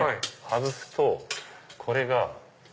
外すとこれが。